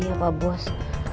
iya pak bos